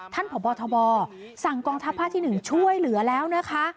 ท่านผ่อบอทบสั่งกองทัพภาคที่หนึ่งช่วยเหลือแล้วนะคะ